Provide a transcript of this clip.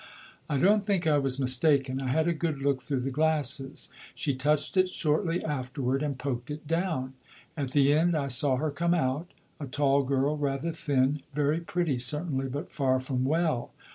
I don't think I was mistaken; I had a good look through the glasses. She touched it shortly afterward and poked it down. At the end I saw her come out. A tall girl, rather thin; very pretty certainly, but far from well.